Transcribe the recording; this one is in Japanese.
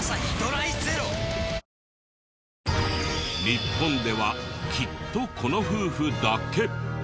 日本ではきっとこの夫婦だけ！？